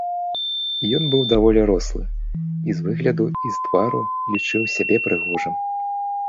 Ён быў даволі рослы і з выгляду і з твару лічыў сябе прыгожым.